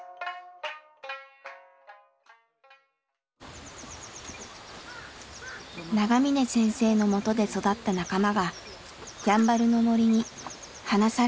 長嶺先生のもとで育った仲間がやんばるの森に放される日が来た。